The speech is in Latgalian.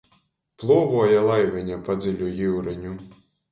Pluovova laiveņa pa dziļu jiureņu.